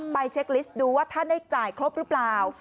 ไปเช็คลิสต์ดูว่าท่านได้จ่ายครบหรือเปล่า